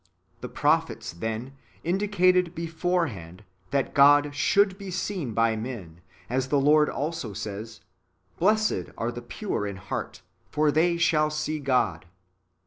The prophets, then, indicated beforehand that God should be seen by men ; as the Lord also says, " Blessed are the pure in heart, for they shall see God."